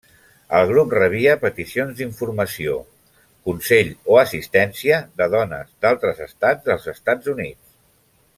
El grup rebia peticions d'informació, consell o assistència de dones d'altres estats dels Estats Units.